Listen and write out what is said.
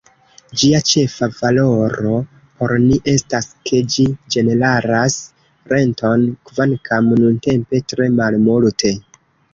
Ĝia ĉefa valoro por ni estas ke ĝi generas renton, kvankam nuntempe tre malmulte.